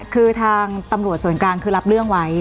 คือทางตำรวจส่วนกลางคือรับเรื่องไว้